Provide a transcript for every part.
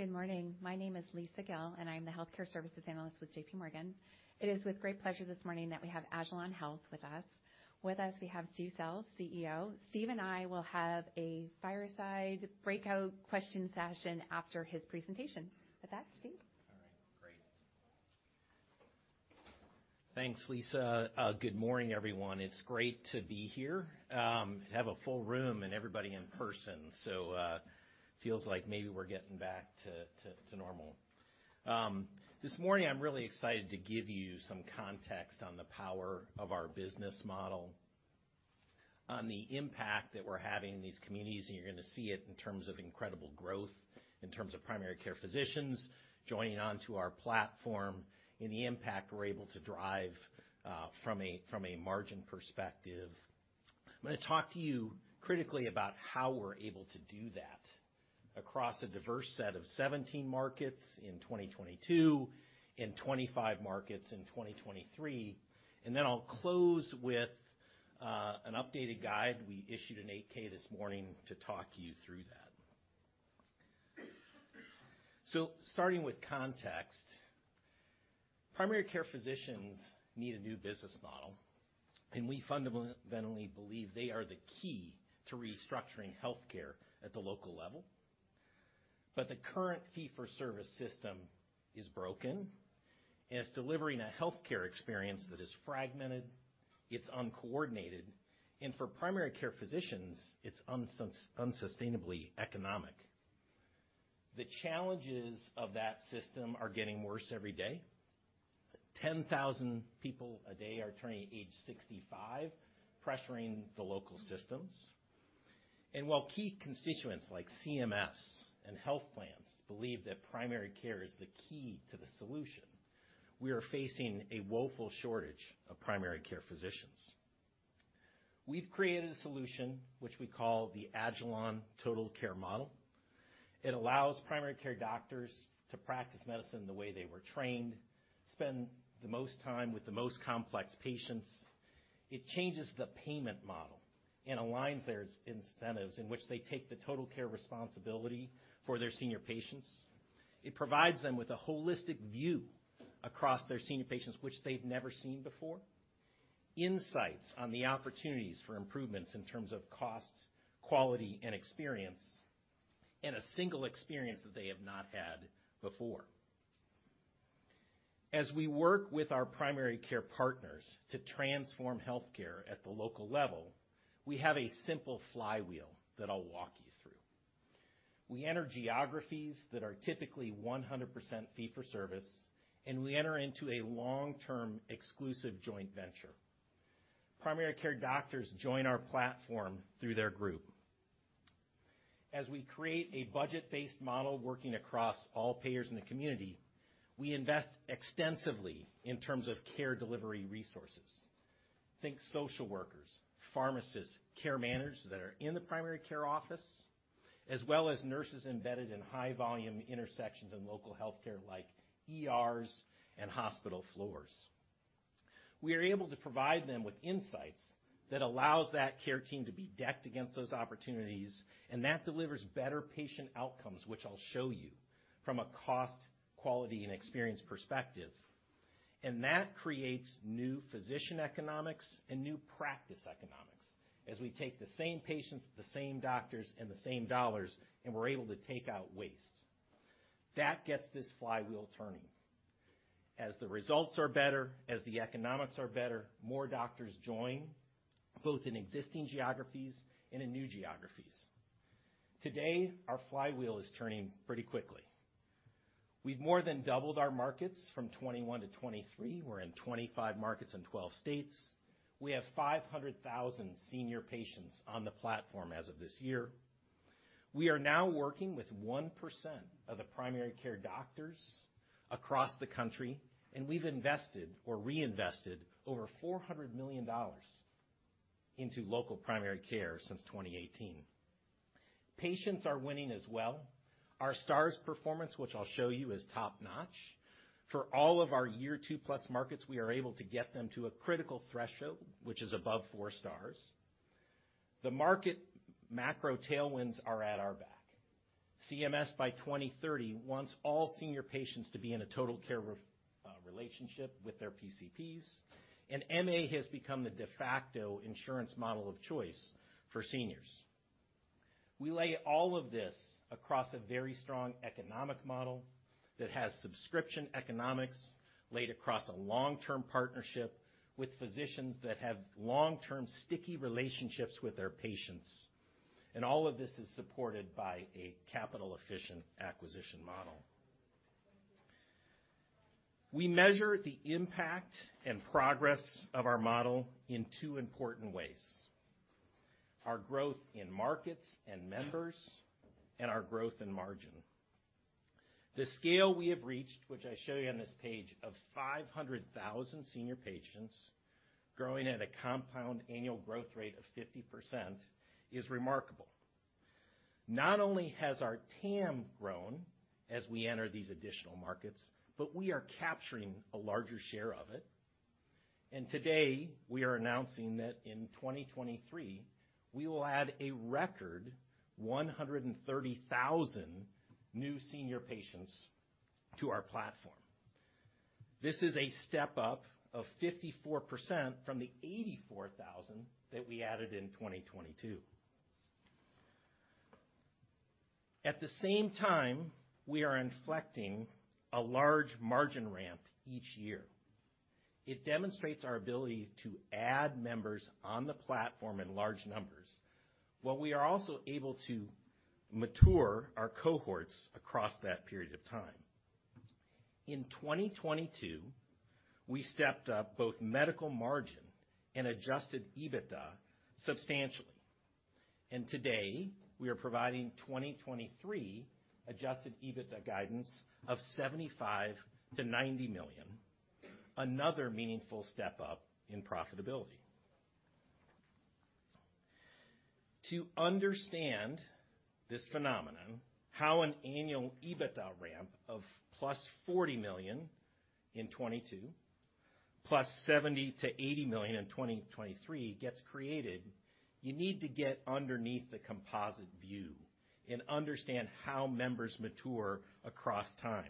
Good morning. My name is Lisa Gill, and I'm the Healthcare Services Analyst with JPMorgan. It is with great pleasure this morning that we have agilon health with us. With us, we have Steve Sell, CEO. Steve and I will have a fireside breakout question session after his presentation. With that, Steve. All right. Great. Thanks, Lisa. Good morning, everyone. It's great to be here, have a full room and everybody in person. Feels like maybe we're getting back to normal. This morning, I'm really excited to give you some context on the power of our business model, on the impact that we're having in these communities, and you're gonna see it in terms of incredible growth, in terms of primary care physicians joining onto our platform, and the impact we're able to drive from a margin perspective. I'm gonna talk to you critically about how we're able to do that across a diverse set of 17 markets in 2022, in 25 markets in 2023, and then I'll close with an updated guide. We issued a Form 8-K this morning to talk you through that. Starting with context, primary care physicians need a new business model, and we fundamentally believe they are the key to restructuring healthcare at the local level. The current fee-for-service system is broken, and it's delivering a healthcare experience that is fragmented, it's uncoordinated, and for primary care physicians, it's unsustainably economic. The challenges of that system are getting worse every day. 10,000 people a day are turning age 65, pressuring the local systems. While key constituents like CMS and health plans believe that primary care is the key to the solution, we are facing a woeful shortage of primary care physicians. We've created a solution which we call the agilon Total Care Model. It allows primary care doctors to practice medicine the way they were trained, spend the most time with the most complex patients. It changes the payment model and aligns their incentives in which they take the total care responsibility for their senior patients. It provides them with a holistic view across their senior patients, which they've never seen before, insights on the opportunities for improvements in terms of cost, quality, and experience, and a single experience that they have not had before. As we work with our primary care partners to transform healthcare at the local level, we have a simple flywheel that I'll walk you through. We enter geographies that are typically 100% fee-for-service, We enter into a long-term exclusive joint venture. Primary care doctors join our platform through their group. As we create a budget-based model working across all payers in the community, we invest extensively in terms of care delivery resources. Think social workers, pharmacists, care managers that are in the primary care office, as well as nurses embedded in high volume intersections in local healthcare like ERs and hospital floors. We are able to provide them with insights that allows that care team to be decked against those opportunities, and that delivers better patient outcomes, which I'll show you from a cost, quality, and experience perspective. That creates new physician economics and new practice economics as we take the same patients, the same doctors, and the same dollars, and we're able to take out waste. That gets this flywheel turning. As the results are better, as the economics are better, more doctors join, both in existing geographies and in new geographies. Today, our flywheel is turning pretty quickly. We've more than doubled our markets from 21 to 23. We're in 25 markets in 12 states. We have 500,000 senior patients on the platform as of this year. We are now working with 1% of the primary care doctors across the country, we've invested or reinvested over $400 million into local primary care since 2018. Patients are winning as well. Our stars performance, which I'll show you, is top-notch. For all of our year 2-plus markets, we are able to get them to a critical threshold, which is above four stars. The market macro tailwinds are at our back. CMS by 2030 wants all senior patients to be in a total care relationship with their PCPs, MA has become the de facto insurance model of choice for seniors. We lay all of this across a very strong economic model that has subscription economics laid across a long-term partnership with physicians that have long-term sticky relationships with their patients. All of this is supported by a capital-efficient acquisition model. We measure the impact and progress of our model in two important ways: our growth in markets and members, and our growth in margin. The scale we have reached, which I show you on this page, of 500,000 senior patients growing at a compound annual growth rate of 50% is remarkable. Not only has our TAM grown as we enter these additional markets, but we are capturing a larger share of it. Today, we are announcing that in 2023, we will add a record 130,000 new senior patients to our platform. This is a step up of 54% from the 84,000 that we added in 2022. At the same time, we are inflecting a large margin ramp each year. It demonstrates our ability to add members on the platform in large numbers, while we are also able to mature our cohorts across that period of time. In 2022, we stepped up both medical margin and adjusted EBITDA substantially. Today, we are providing 2023 adjusted EBITDA guidance of $75 to 90 million. Another meaningful step up in profitability. To understand this phenomenon, how an annual EBITDA ramp of +$40 million in 2022, +$70 to 80 million in 2023 gets created, you need to get underneath the composite view and understand how members mature across time.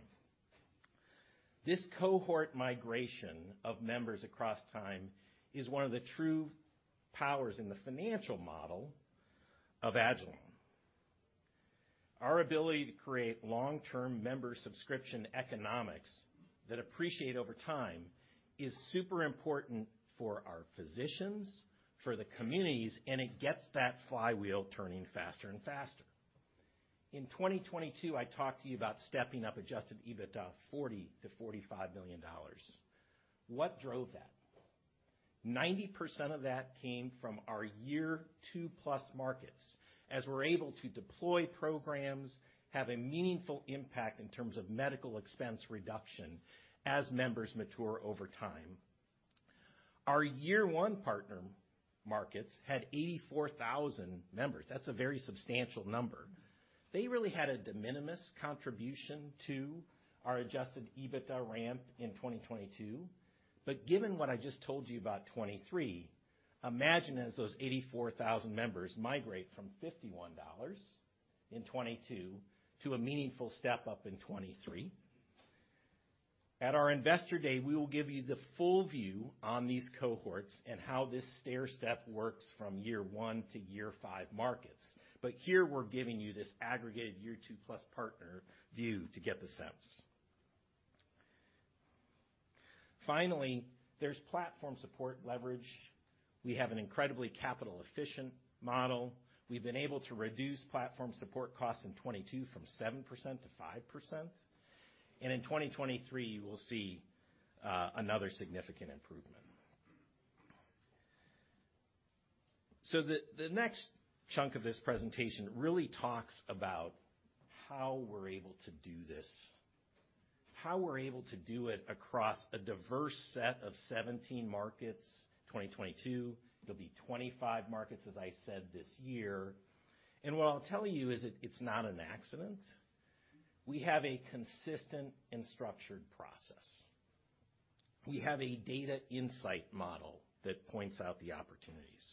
This cohort migration of members across time is one of the true powers in the financial model of agilon health. Our ability to create long-term member subscription economics that appreciate over time is super important for our physicians, for the communities, and it gets that flywheel turning faster and faster. In 2022, I talked to you about stepping up adjusted EBITDA, $40 to 45 million. What drove that? 90% of that came from our year two-plus markets, as we're able to deploy programs, have a meaningful impact in terms of medical expense reduction as members mature over time. Our year one partner markets had 84,000 members. That's a very substantial number. They really had a de minimis contribution to our adjusted EBITDA ramp in 2022. Given what I just told you about 23, imagine as those 84,000 members migrate from $51 in 2022 to a meaningful step up in 2023. At our Investor Day, we will give you the full view on these cohorts and how this stairstep works from year one to year five markets. Here, we're giving you this aggregated year two-plus partner view to get the sense. Finally, there's platform support leverage. We have an incredibly capital-efficient model. We've been able to reduce platform support costs in 2022 from 7% to 5%. In 2023, you will see another significant improvement. The next chunk of this presentation really talks about how we're able to do this, how we're able to do it across a diverse set of 17 markets, 2022. It'll be 25 markets, as I said, this year. What I'll tell you is it's not an accident. We have a consistent and structured process. We have a data insight model that points out the opportunities.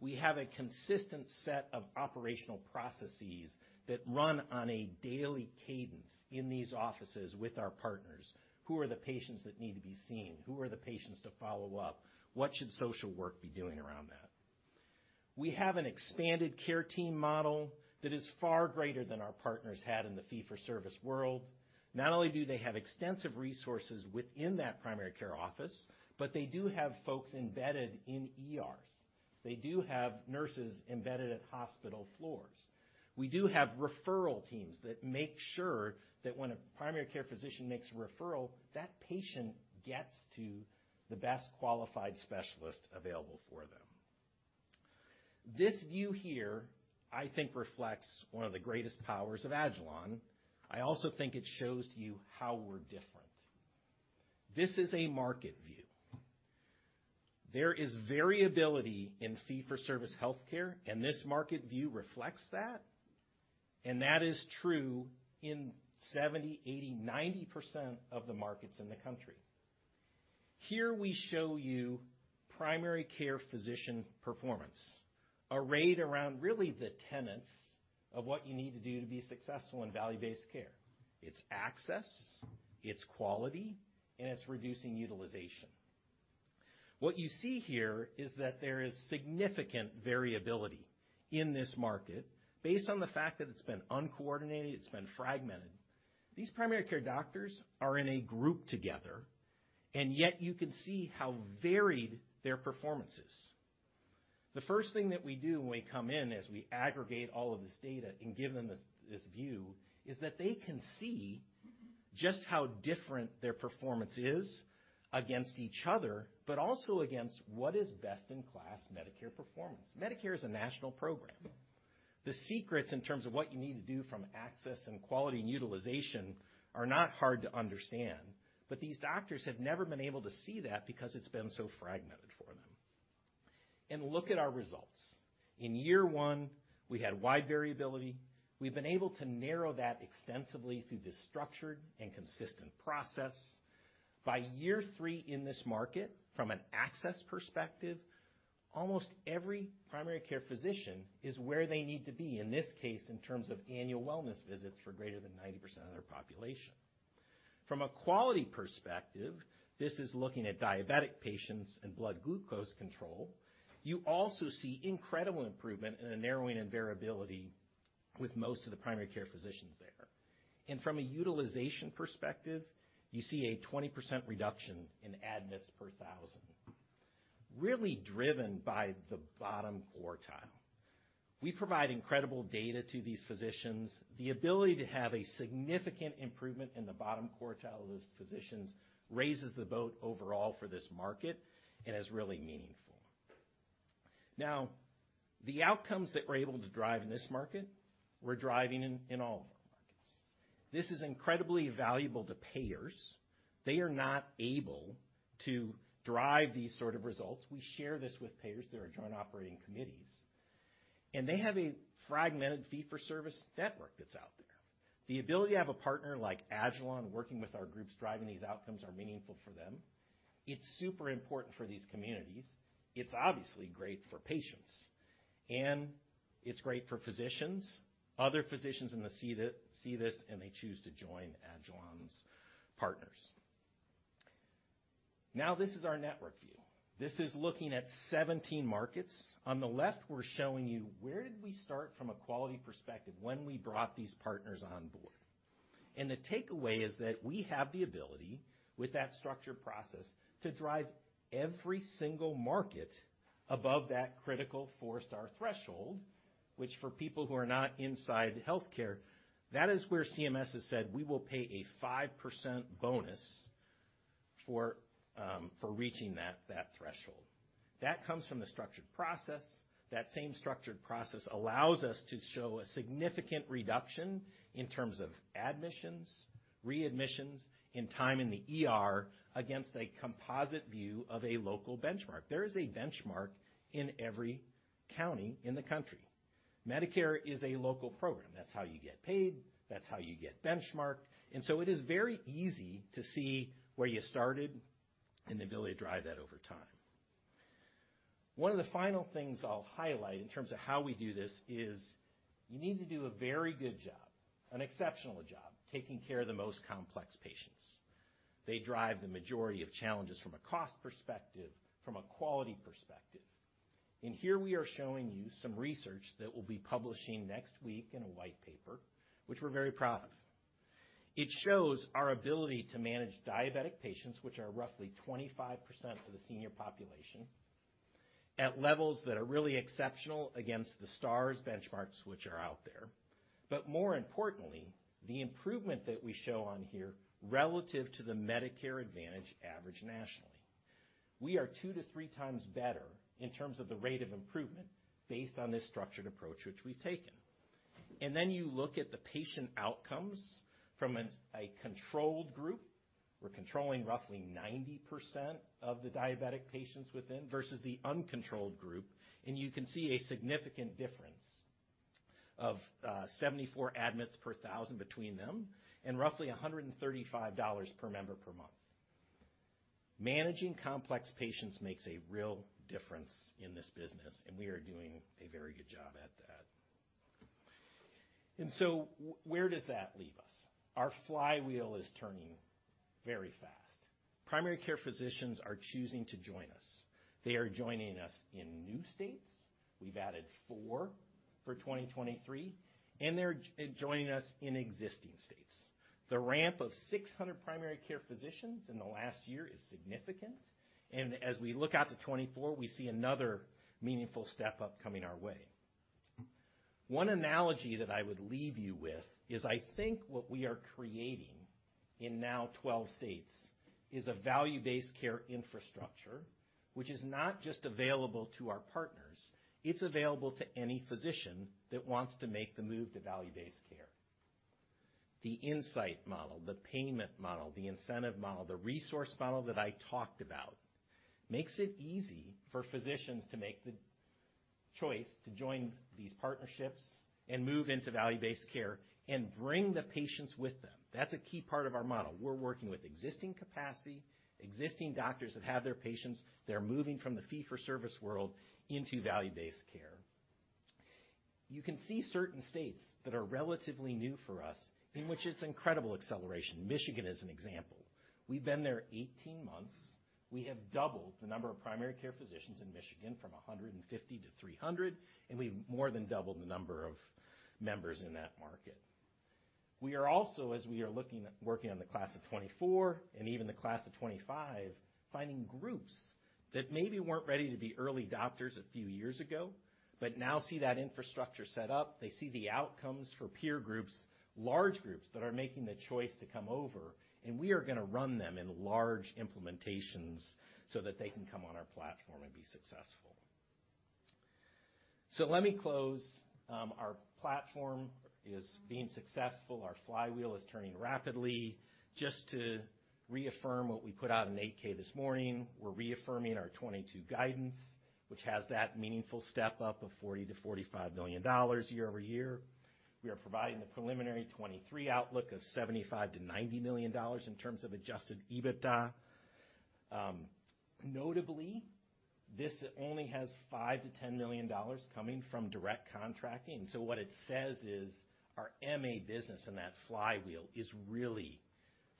We have a consistent set of operational processes that run on a daily cadence in these offices with our partners. Who are the patients that need to be seen? Who are the patients to follow up? What should social work be doing around that? We have an expanded care team model that is far greater than our partners had in the fee-for-service world. Not only do they have extensive resources within that primary care office, but they do have folks embedded in ERs. They do have nurses embedded at hospital floors. We do have referral teams that make sure that when a primary care physician makes a referral, that patient gets to the best qualified specialist available for them. This view here, I think reflects one of the greatest powers of agilon. I also think it shows to you how we're different. This is a market view. There is variability in fee-for-service healthcare. This market view reflects that. That is true in 70%, 80%, 90% of the markets in the country. Here, we show you primary care physician performance, arrayed around really the tenets of what you need to do to be successful in value-based care. It's access, it's quality, and it's reducing utilization. What you see here is that there is significant variability in this market based on the fact that it's been uncoordinated, it's been fragmented. These primary care doctors are in a group together, yet you can see how varied their performance is. The first thing that we do when we come in is we aggregate all of this data and give them this view, is that they can see just how different their performance is against each other, but also against what is best in class Medicare performance. Medicare is a national program. The secrets in terms of what you need to do from access and quality and utilization are not hard to understand, these doctors have never been able to see that, because it's been so fragmented for them. Look at our results. In year 1, we had wide variability. We've been able to narrow that extensively through this structured and consistent process. By year 3 in this market, from an access perspective, almost every primary care physician is where they need to be, in this case, in terms of Annual Wellness Visits for greater than 90% of their population. From a quality perspective, this is looking at diabetic patients and blood glucose control. You also see incredible improvement in the narrowing and variability with most of the primary care physicians there. From a utilization perspective, you see a 20% reduction in admits per thousand, really driven by the bottom quartile. We provide incredible data to these physicians. The ability to have a significant improvement in the bottom quartile of those physicians raises the boat overall for this market and is really meaningful. The outcomes that we're able to drive in this market, we're driving in all of our markets. This is incredibly valuable to payers. They are not able to drive these sort of results. We share this with payers through our joint operating committees. They have a fragmented fee-for-service network that's out there. The ability to have a partner like agilon working with our groups driving these outcomes are meaningful for them. It's super important for these communities. It's obviously great for patients. It's great for physicians. Other physicians see this, and they choose to join agilon's partners. This is our network view. This is looking at 17 markets. On the left, we're showing you where did we start from a quality perspective when we brought these partners on board. The takeaway is that we have the ability with that structured process to drive every single market above that critical four-star threshold, which for people who are not inside healthcare, that is where CMS has said, "We will pay a 5% bonus for reaching that threshold." That comes from the structured process. That same structured process allows us to show a significant reduction in terms of admissions, readmissions, and time in the ER against a composite view of a local benchmark. There is a benchmark in every county in the country. Medicare is a local program. That's how you get paid. That's how you get benchmarked. It is very easy to see where you started and the ability to drive that over time. One of the final things I'll highlight in terms of how we do this is you need to do a very good job, an exceptional job, taking care of the most complex patients. They drive the majority of challenges from a cost perspective, from a quality perspective. Here we are showing you some research that we'll be publishing next week in a white paper, which we're very proud of. It shows our ability to manage diabetic patients, which are roughly 25% of the senior population, at levels that are really exceptional against the Stars benchmarks which are out there. More importantly, the improvement that we show on here relative to the Medicare Advantage average nationally. We are 2 to 3x better in terms of the rate of improvement based on this structured approach which we've taken. You look at the patient outcomes from a controlled group. We're controlling roughly 90% of the diabetic patients within versus the uncontrolled group, and you can see a significant difference of 74 admits per thousand between them and roughly $135 per member per month. Managing complex patients makes a real difference in this business. We are doing a very good job at that. Where does that leave us? Our flywheel is turning very fast. Primary care physicians are choosing to join us. They are joining us in new states. We've added 4 for 2023, and they're joining us in existing states. The ramp of 600 primary care physicians in the last year is significant. As we look out to 2024, we see another meaningful step-up coming our way. One analogy that I would leave you with is I think what we are creating in now 12 states is a value-based care infrastructure, which is not just available to our partners, it's available to any physician that wants to make the move to value-based care. The insight model, the payment model, the incentive model, the resource model that I talked about makes it easy for physicians to make the choice to join these partnerships and move into value-based care and bring the patients with them. That's a key part of our model. We're working with existing capacity, existing doctors that have their patients. They're moving from the fee-for-service world into value-based care. You can see certain states that are relatively new for us in which it's incredible acceleration. Michigan is an example. We've been there 18 months. We have doubled the number of primary care physicians in Michigan from 150 to 300, and we've more than doubled the number of members in that market. We are also, as we are working on the class of 2024 and even the class of 2025, finding groups that maybe weren't ready to be early adopters a few years ago, but now see that infrastructure set up. They see the outcomes for peer groups, large groups that are making the choice to come over, and we are gonna run them in large implementations so that they can come on our platform and be successful. Let me close. Our platform is being successful. Our flywheel is turning rapidly. Just to reaffirm what we put out in the Form 8-K this morning, we're reaffirming our 2022 guidance, which has that meaningful step up of $40 to 45 million year-over-year. We are providing the preliminary 2023 outlook of $75 to 90 million in terms of adjusted EBITDA. Notably, this only has $5 to 10 million coming from Direct Contracting. What it says is our MA business and that flywheel is really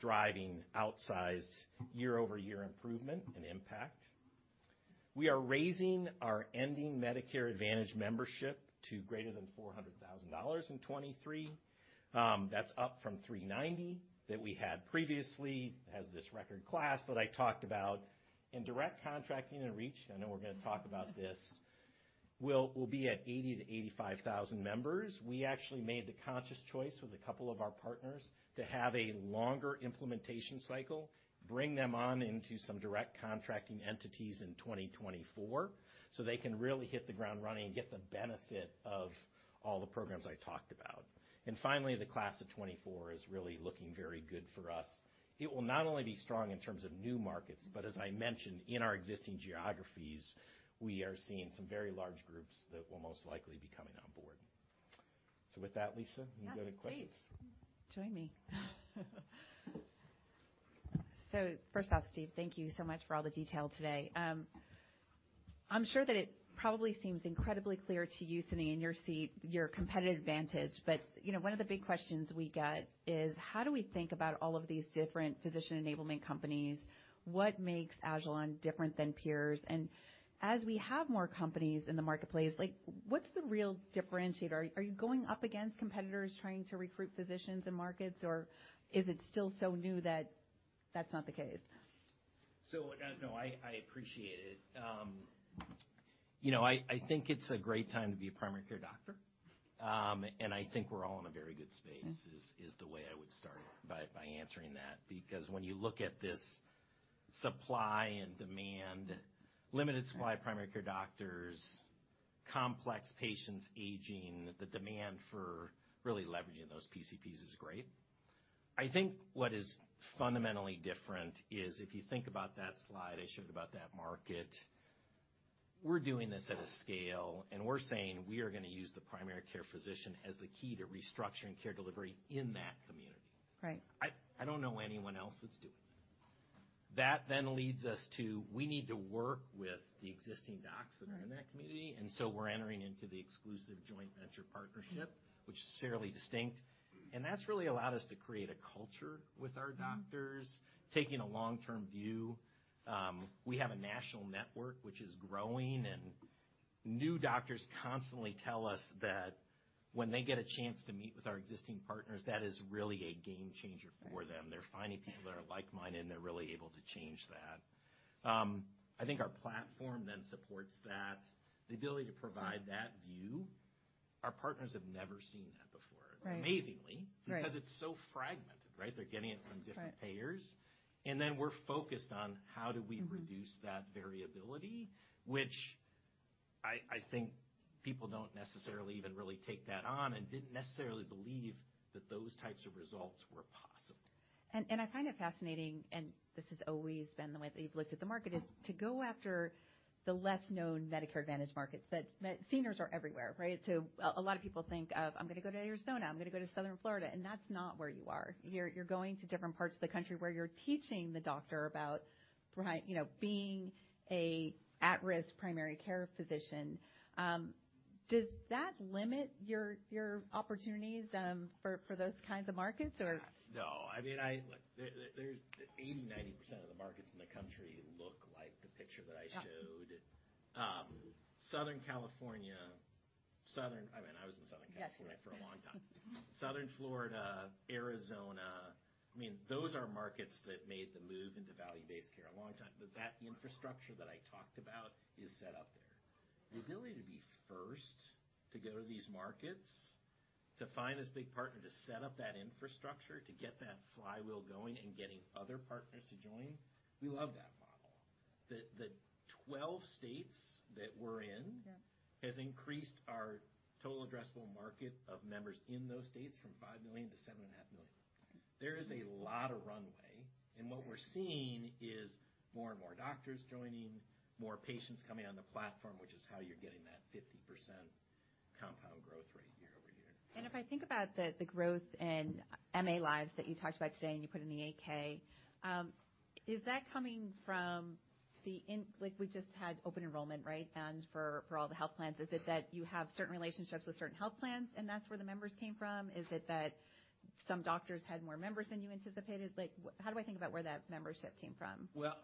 driving outsized year-over-year improvement and impact. We are raising our ending Medicare Advantage membership to greater than 400,000 dollars in 2023, that's up from 390,000 that we had previously. It has this record class that I talked about. In Direct Contracting and REACH, I know we're gonna talk about this, we'll be at 80,000 to 85,000 members. We actually made the conscious choice with a couple of our partners to have a longer implementation cycle, bring them on into some Direct Contracting entities in 2024, so they can really hit the ground running and get the benefit of all the programs I talked about. Finally, the class of 24 is really looking very good for us. It will not only be strong in terms of new markets, but as I mentioned, in our existing geographies, we are seeing some very large groups that will most likely be coming on board. With that, Lisa, you can go to questions. Yeah, great. Join me. First off, Steve, thank you so much for all the detail today. I'm sure that it probably seems incredibly clear to you, sitting in your seat, your competitive advantage, but, you know, one of the big questions we get is, how do we think about all of these different physician enablement companies? What makes agilon different than peers? As we have more companies in the marketplace, like, what's the real differentiator? Are you going up against competitors trying to recruit physicians in markets, or is it still so new that that's not the case? No, I appreciate it. You know, I think it's a great time to be a primary care doctor. I think we're all in a very good space, is the way I would start by answering that. When you look at this supply and demand, limited supply of primary care doctors, complex patients aging, the demand for really leveraging those PCPs is great. I think what is fundamentally different is if you think about that slide I showed about that market, we're doing this at a scale, and we're saying we are gonna use the primary care physician as the key to restructuring care delivery in that community. Right. I don't know anyone else that's doing it. That leads us to. We need to work with the existing docs that are in that community. We're entering into the exclusive joint venture partnership, which is fairly distinct. That's really allowed us to create a culture with our doctors, taking a long-term view. We have a national network which is growing. New doctors constantly tell us that when they get a chance to meet with our existing partners, that is really a game changer for them. They're finding people that are like-minded. They're really able to change that. I think our platform then supports that. The ability to provide that view. Our partners have never seen that before. Right. Amazingly. Right. It's so fragmented, right? They're getting it from different payers. Right. We're focused on how do we reduce that variability, which I think people don't necessarily even really take that on and didn't necessarily believe that those types of results were possible. I find it fascinating, and this has always been the way that you've looked at the market, is to go after the less known Medicare Advantage markets. Seniors are everywhere, right? A lot of people think of, I'm gonna go to Arizona, I'm gonna go to Southern Florida, and that's not where you are. You're going to different parts of the country where you're teaching the doctor about you know, being a at-risk primary care physician. Does that limit your opportunities for those kinds of markets or? No. I mean, Like, there's 80%, 90% of the markets in the country look like the picture that I showed. Southern California, I mean, I was in Southern California for a long time. Southern Florida, Arizona, I mean, those are markets that made the move into value-based care a long time. That infrastructure that I talked about is set up there. The ability to be first to go to these markets, to find this big partner, to set up that infrastructure, to get that flywheel going and getting other partners to join, we love that model. The 12 states that we're in has increased our total addressable market of members in those states from 5 million to 7.5 million. There is a lot of runway, and what we're seeing is more and more doctors joining, more patients coming on the platform, which is how you're getting that 50% compound growth rate year-over-year. If I think about the growth in MA lives that you talked about today and you put in the Form 8-K, is that coming from the Like, we just had open enrollment, right? For all the health plans, is it that you have certain relationships with certain health plans, and that's where the members came from? Is it that some doctors had more members than you anticipated? Like, how do I think about where that membership came from? Well,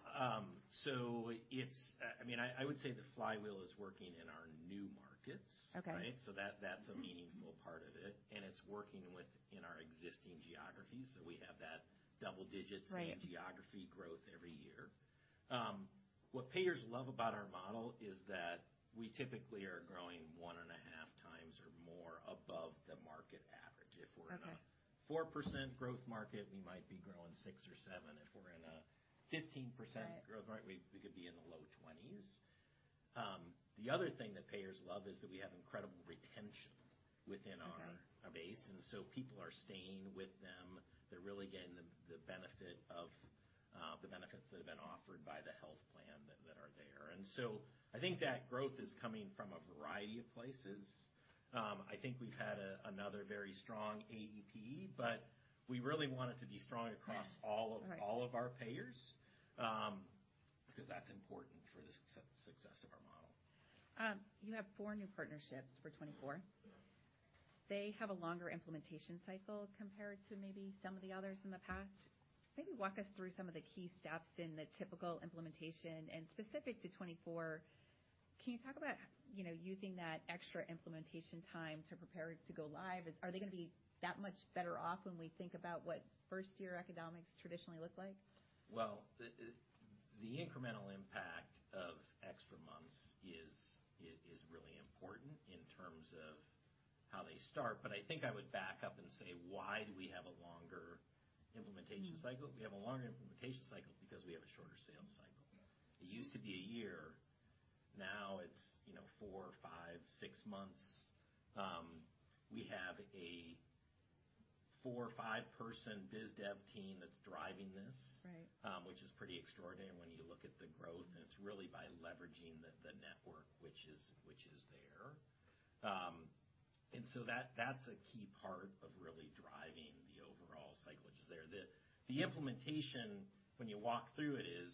it's, I mean, I would say the flywheel is working in our new markets. Okay. Right? That's a meaningful part of it. It's working with in our existing geographies. We have that double digits in geography growth every year. What payers love about our model is that we typically are growing 1.5. If we're in a 4% growth market, we might be growing six or seven. If we're in a 15% growth market, we could be in the low twenties. The other thing that payers love is that we have incredible retention our base, and so people are staying with them. They're really getting the benefit of the benefits that have been offered by the health plan that are there. I think that growth is coming from a variety of places. I think we've had another very strong AEP, but we really want it to be strong across all of our payers, because that's important for the success of our model. You have 4 new partnerships for 2024. They have a longer implementation cycle compared to maybe some of the others in the past. Maybe walk us through some of the key steps in the typical implementation, and specific to 2024, can you talk about, you know, using that extra implementation time to prepare to go live? Are they gonna be that much better off when we think about what first year economics traditionally look like? Well, the incremental impact of extra months is really important in terms of how they start. I think I would back up and say, why do we have a longer implementation cycle? We have a longer implementation cycle because we have a shorter sales cycle. It used to be 1 year. Now it's, you know, 4, 5, 6 months. We have a 4- or 5-person biz dev team that's driving this. Right which is pretty extraordinary when you look at the growth, and it's really by leveraging the network, which is there. That's a key part of really driving the overall cycle, which is there. The implementation, when you walk through it, is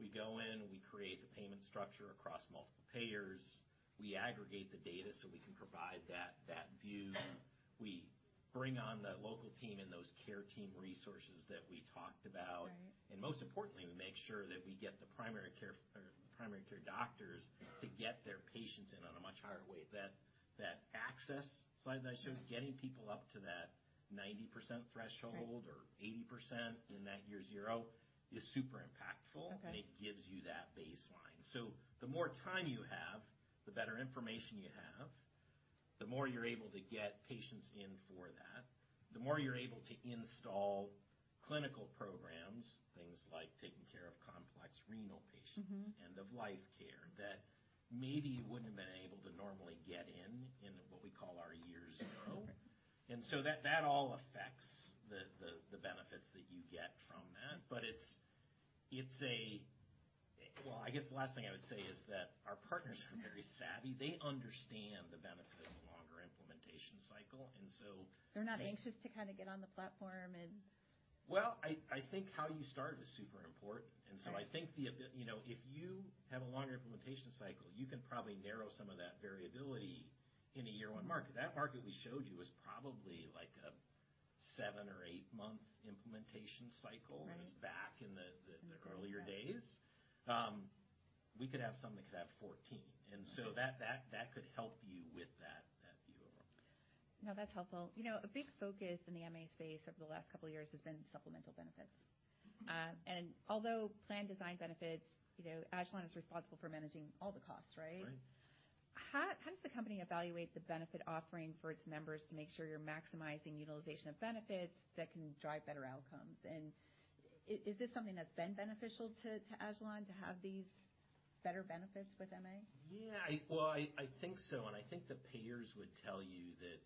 we go in, we create the payment structure across multiple payers. We aggregate the data so we can provide that view. We bring on the local team and those care team resources that we talked about. Right. Most importantly, we make sure that we get the primary care or primary care doctors to get their patients in on a much higher rate. Right. That access slide that I showed getting people up to that 90% threshold or 80% in that year 0 is super impactful. Okay. It gives you that baseline. The more time you have, the better information you have, the more you're able to get patients in for that, the more you're able to install clinical programs, things like taking care of complex renal patients end of life care, that maybe you wouldn't have been able to normally get in what we call our year zero. Okay. That, that all affects the, the benefits that you get from that. It's, it's a... Well, I guess the last thing I would say is that our partners are very savvy. They understand the benefit of a longer implementation cycle. They're not anxious to kinda get on the platform. Well, I think how you start is super important. Right. I think you know, if you have a longer implementation cycle, you can probably narrow some of that variability in a year one market. That market we showed you is probably like a seven or eight-month implementation cycle. Right. It was back in the earlier days. We could have some that could have 14. Okay. That could help you with that view overall. No, that's helpful. You know, a big focus in the MA space over the last couple of years has been supplemental benefits. Although plan design benefits, you know, agilon is responsible for managing all the costs, right? Right. How does the company evaluate the benefit offering for its members to make sure you're maximizing utilization of benefits that can drive better outcomes? Is this something that's been beneficial to agilon to have these better benefits with MA? Yeah. Well, I think so. I think the payers would tell you that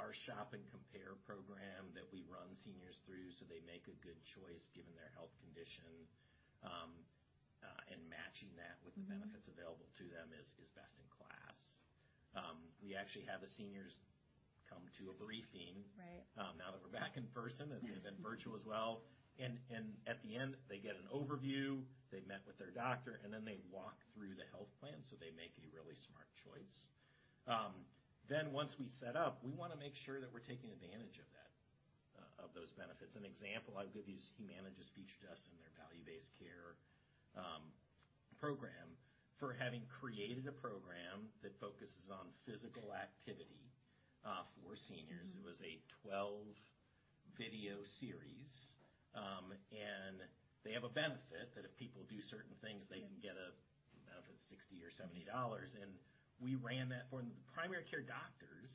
our shop and compare program that we run seniors through so they make a good choice given their health condition, and matching that the benefits available to them is best in class. We actually have the seniors come to a briefing. Right. Now that we're back in person and virtual as well. At the end, they get an overview, they've met with their doctor, and then they walk through the health plan, so they make a really smart choice. Once we set up, we wanna make sure that we're taking advantage of that of those benefits. An example I would give you is Humana just featured us in their value-based care program for having created a program that focuses on physical activity for seniors. It was a 12-video series, and they have a benefit that if people do certain things, they can get a benefit, $60 or 70. We ran that for them. The primary care doctors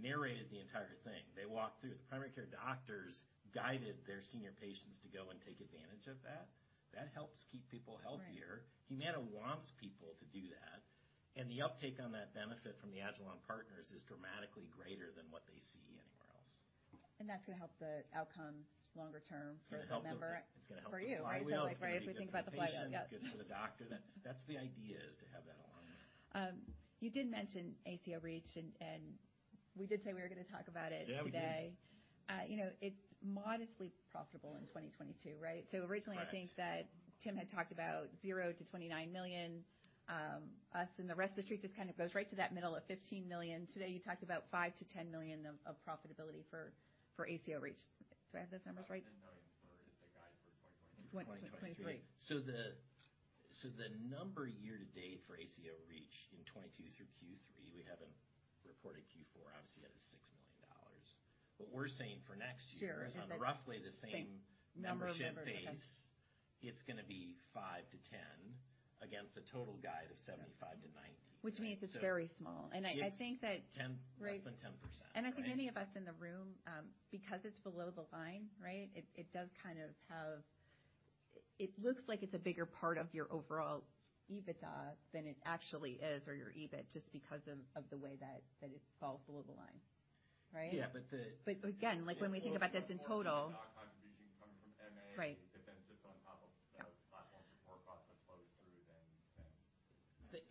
narrated the entire thing. They walked through. The primary care doctors guided their senior patients to go and take advantage of that. That helps keep people healthier. Right. Humana wants people to do that, and the uptake on that benefit from the agilon partners is dramatically greater than what they see anywhere else. That's gonna help the outcomes longer term for the member. It's gonna help. For you. It's gonna help everybody. Right? If we think about the flywheel, yep. It's good for the patient, good for the doctor. That's the idea, is to have that alignment. You did mention ACO REACH, and we did say we were gonna talk about it today. Yeah, we did. you know, it's modestly profitable in 2022, right? Right. Originally, I think that Tim had talked about 0 to $29 million, us and the rest of the street just kind of goes right to that middle of $15 million. Today, you talked about $5 to 10 million of profitability for ACO Reach. Do I have those numbers right? About $10 million for the guide for 2023. 2023. The number year to date for ACO REACH in 2022 through Q3, we haven't reported Q4 obviously $6 million. What we're saying for next year. Sure. Is on roughly the same membership base. It's gonna be $5 to 10 million against a total guide of $75 to 90 million. Which means it's very small. I think. It's 10, less than 10%. I think any of us in the room, because it's below the line, right? It looks like it's a bigger part of your overall EBITDA than it actually is, or your EBIT, just because of the way that it falls below the line, right? Yeah, but. again, like when we think about this in total-. Contribution coming from MA. Right. It then sits on top of the platform support process flows through then.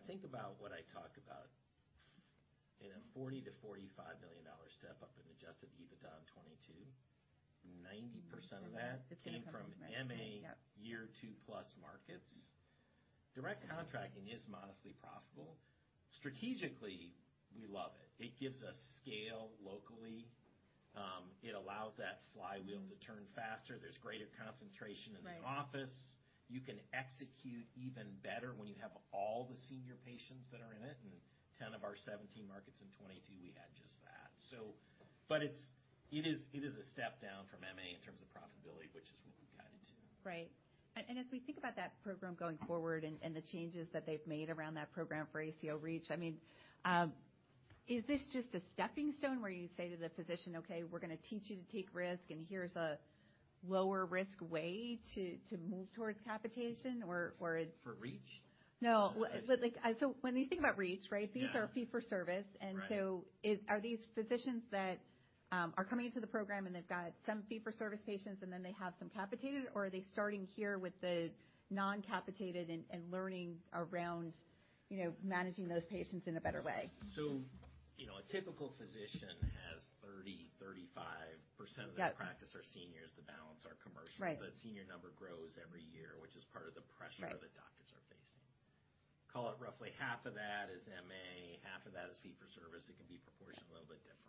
Think about what I talked about. In a $40 to 45 million step-up in adjusted EBITDA in 2022, 90% of that. It's gonna come from MA. Came from MA. Yep. Year two-plus markets. Direct Contracting is modestly profitable. Strategically, we love it. It allows that flywheel to turn faster. There's greater concentration in the office. Right. You can execute even better when you have all the senior patients that are in it, and 10 of our 17 markets in 2022, we had just that. It is a step down from MA in terms of profitability, which is what we've guided to. Right. As we think about that program going forward and the changes that they've made around that program for ACO REACH, I mean, is this just a stepping stone where you say to the physician, "Okay, we're gonna teach you to take risk, and here's a lower risk way to move towards capitation?" Or? For Reach? No. When you think about REACH, right? Yeah. These are fee-for-service. Right. Are these physicians that are coming into the program, and they've got some fee-for-service patients, and then they have some capitated? Or are they starting here with the non-capitated and learning around, you know, managing those patients in a better way? you know, a typical physician has 30, 35%- Yep. Of their practice are seniors. The balance are commercial. Right. The senior number grows every year, which is part of the pressure. Right. That doctors are facing. Call it roughly half of that is MA, half of that is fee-for-service. It can be proportionate, a little bit different.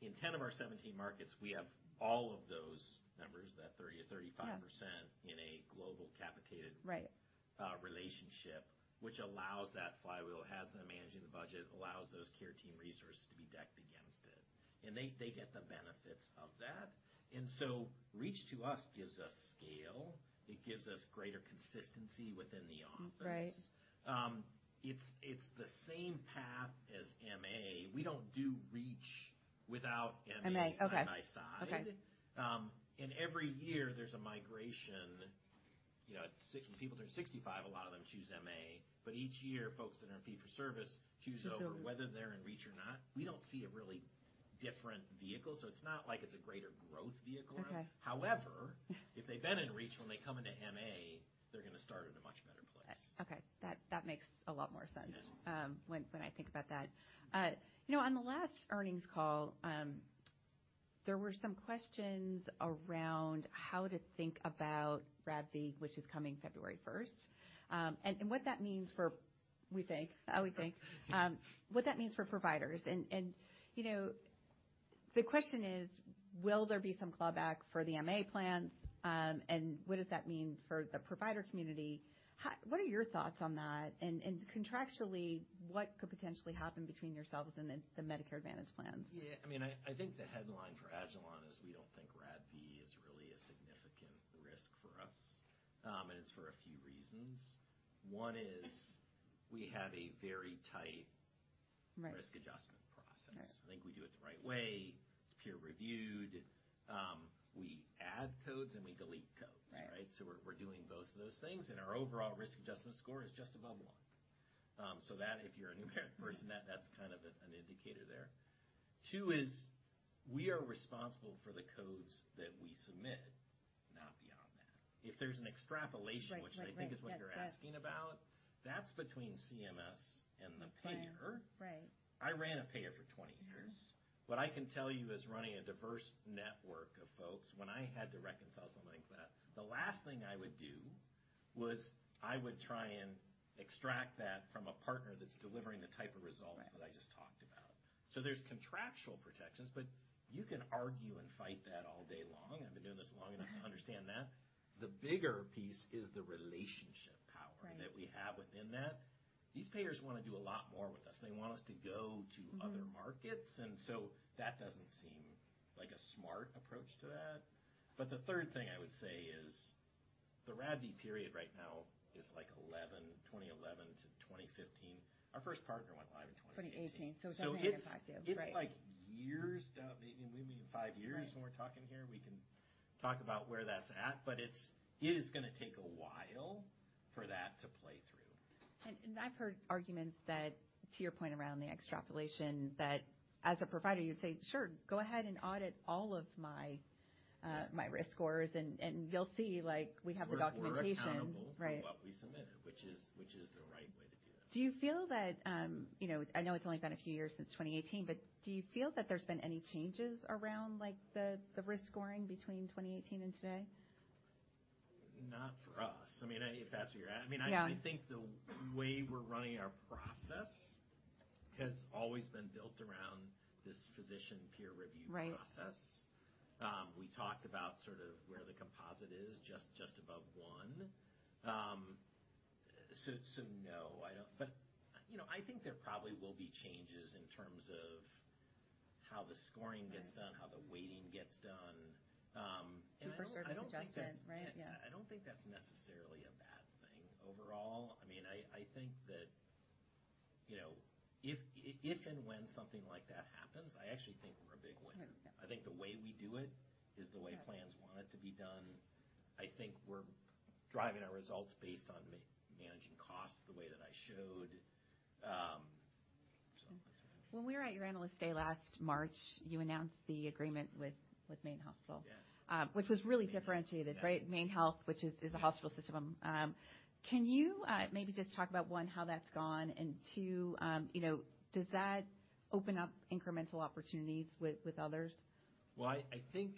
In 10 of our 17 markets, we have all of those members, that 30%-35%. In a global capitated relationship, which allows that flywheel, it has them managing the budget, allows those care team resources to be decked against it. They get the benefits of that. Reach to us gives us scale. It gives us greater consistency within the office. Right. it's the same path as MA. We don't do REACH without MA-. MA. Okay. Side by side. Okay. Every year, there's a migration. You know, at 6 people turn 65, a lot of them choose MA. Each year, folks that are in fee-for-service choose over, whether they're in REACH or not, we don't see a really different vehicle. It's not like it's a greater growth vehicle. Okay. If they've been in REACH when they come into MA, they're gonna start in a much better place. Okay. That makes a lot more sense. Yeah. When I think about that. You know, on the last earnings call, there were some questions around how to think about RADV, which is coming February first. What that means for providers. You know, the question is, will there be some clawback for the MA plans, and what does that mean for the provider community? What are your thoughts on that? Contractually, what could potentially happen between yourselves and the Medicare Advantage Plans? Yeah. I mean, I think the headline for Agilon is we don't think RADV is really a significant risk for us. It's for a few reasons. One is we have a. Right. Risk adjustment process. Right. I think we do it the right way. It's peer-reviewed. We add codes, and we delete codes. Right. Right? We're doing both of those things, and our overall risk adjustment score is just above 1. If you're a new person, that's kind of an indicator there. 2 is, we are responsible for the codes that we submit, not beyond that. If there's an extrapolation. Right. Right, right. Yep. Got it. Which I think is what you're asking about, that's between CMS and the payer. Right. I ran a payer for 20 years. What I can tell you is running a diverse network of folks, when I had to reconcile something like that, the last thing I would do was I would try and extract that from a partner that's delivering the type of results- Right. That I just talked about. There's contractual protections, but you can argue and fight that all day long. I've been doing this long enough to understand that. The bigger piece is the relationship power that we have within that. These payers wanna do a lot more with us. They want us to go to other markets. That doesn't seem like a smart approach to that. The third thing I would say is the RADV period right now is, like, 2011 to 2015. Our first partner went live in 2018. 2018. It doesn't get impacted. Right. It's like years down. We mean 5 years. Right. When we're talking here. We can talk about where that's at, but it's, it is gonna take a while for that to play through. I've heard arguments that, to your point around the extrapolation, that as a provider, you'd say, "Sure, go ahead and audit all of my risk scores. And you'll see, like, we have the documentation. We're accountable- Right. To what we submitted, which is the right way to do that. Do you feel that, you know, I know it's only been a few years since 2018, but do you feel that there's been any changes around, like, the risk scoring between 2018 and today? Not for us. I mean, if that's what you're asking. Yeah. I mean, I think the way we're running our process has always been built around this physician peer review process. Right. We talked about sort of where the composite is. No, I don't. You know, I think there probably will be changes in terms of how the scoring gets done, how the weighting gets done. I don't think that's. Super served with the judgment, right? Yeah. I don't think that's necessarily a bad thing overall. I mean, I think that, you know, if and when something like that happens, I actually think we're a big win. Yeah. I think the way we do it is the way plans want it to be done. I think we're driving our results based on managing costs the way that I showed. so. When we were at your Analyst Day last March, you announced the agreement with MaineHealth. Which was really differentiated, right? MaineHealth, which is a hospital system. Can you, maybe just talk about, one, how that's gone, and two, you know, does that open up incremental opportunities with others? Well, I think,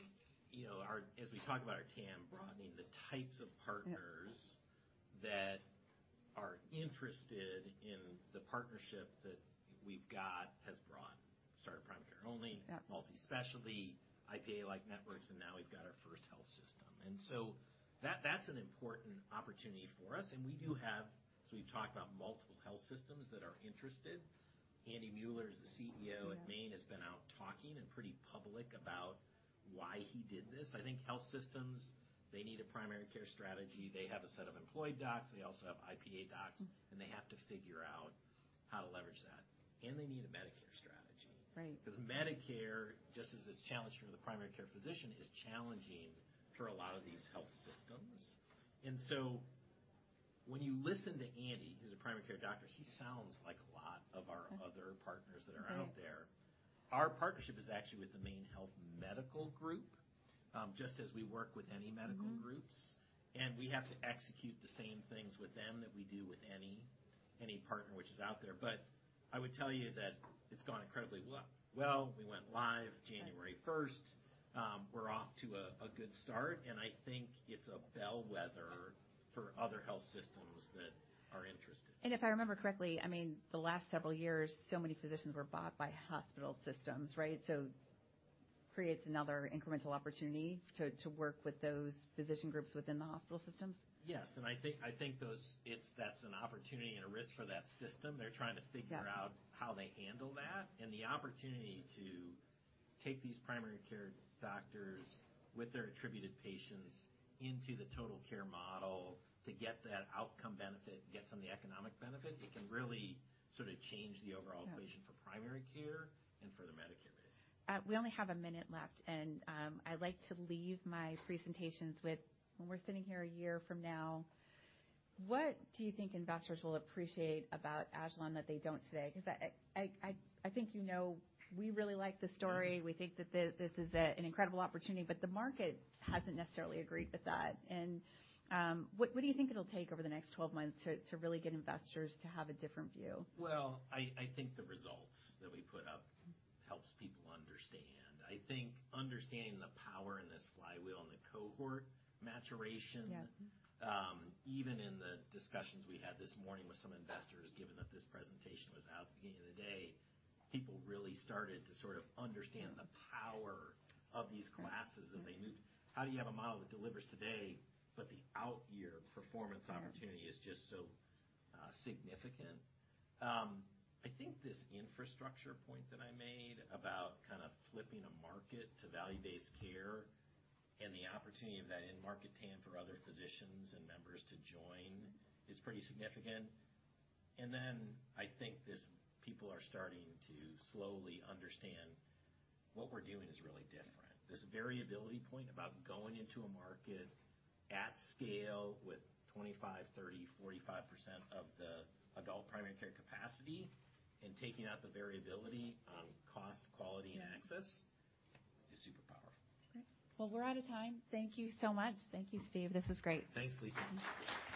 you know, as we talk about our TAM broadening the types of partners that are interested in the partnership that we've got has brought sort of primary care only multi-specialty, IPA-like networks, and now we've got our first health system. That's an important opportunity for us. We do have, so we've talked about multiple health systems that are interested. Andy Mueller is the CEO at MaineHealth, has been out talking and pretty public about why he did this. I think health systems, they need a primary care strategy. They have a set of employed docs. They also have IPA docs. They have to figure out how to leverage that. They need a Medicare strategy. Right. 'Cause Medicare, just as it's challenging for the primary care physician, is challenging for a lot of these health systems. When you listen to Andy, who's a primary care doctor, he sounds like a lot of our other partners that are out there. Right. Our partnership is actually with the MaineHealth Medical Group, just as we work with any medical groups. We have to execute the same things with them that we do with any partner which is out there. I would tell you that it's gone incredibly well. Well, we went live January first. We're off to a good start, and I think it's a bellwether for other health systems that are interested. If I remember correctly, I mean, the last several years, so many physicians were bought by hospital systems, right? Creates another incremental opportunity to work with those physician groups within the hospital systems. Yes. I think that's an opportunity and a risk for that system. They're trying to figure out how they handle that and the opportunity to take these primary care doctors with their attributed patients into the Total Care Model to get that outcome benefit, get some of the economic benefit. It can really sort of change the overall equation for primary care and for the Medicare base. We only have a minute left, and I like to leave my presentations with when we're sitting here a year from now, what do you think investors will appreciate about agilon that they don't today? 'Cause I think, you know, we really like the story. We think that this is an incredible opportunity, but the market hasn't necessarily agreed with that. What do you think it'll take over the next 12 months to really get investors to have a different view? Well, I think the results that we put up helps people understand. I think understanding the power in this flywheel and the cohort maturation. Yeah. Even in the discussions we had this morning with some investors, given that this presentation was out at the beginning of the day, people really started to sort of understand the power of these classes as they move. How do you have a model that delivers today, but the out year performance opportunity is just so significant? I think this infrastructure point that I made about kind of flipping a market to value-based care and the opportunity of that end market TAM for other physicians and members to join is pretty significant. I think people are starting to slowly understand what we're doing is really different. This variability point about going into a market at scale with 25%, 30%, 45% of the adult primary care capacity and taking out the variability on cost, quality, and access is super powerful. Great. Well, we're out of time. Thank you so much. Thank you, Steve. This was great. Thanks, Lisa. Thanks.